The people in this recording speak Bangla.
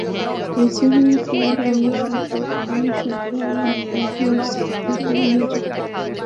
স্লেজিং খেলারই অংশ, তবে আমি শুধু আমার পারফরম্যান্সের দিকেই মনোযোগ দিচ্ছি।